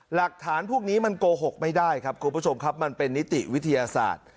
หลักฐานพวกนี้มันโกหกไม่ได้ครับคุณผู้ชมครับมันเป็นนิติวิทยาศาสตร์